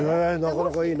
なかなかいい。